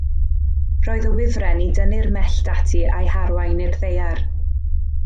Roedd y wifren i dynnu'r mellt ati a'u harwain i'r ddaear.